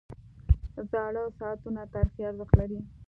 • زاړه ساعتونه تاریخي ارزښت لري.